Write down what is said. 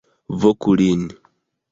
Voku lin!